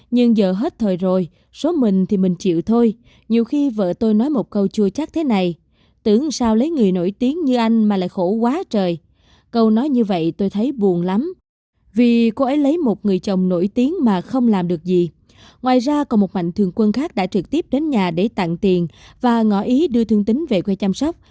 ngoài ra còn một mạnh thương quân khác đã trực tiếp đến nhà để tặng tiền và ngõ ý đưa thương tính về quê chăm sóc